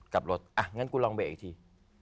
กลับรถอ่ะงั้นกูลองเบรกอีกที